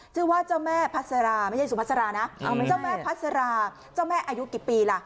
เจ้าแม่พัสราไม่ใช่สุพัสรานะเจ้าแม่พัสราเจ้าแม่อายุกี่ปีล่ะ